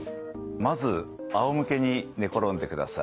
まずあおむけに寝転んでください。